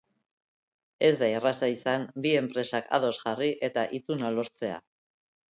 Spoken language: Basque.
Ez da erraza izan bi enpresak ados jarri eta ituna lortzea.